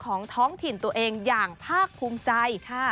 ท้องถิ่นตัวเองอย่างภาคภูมิใจ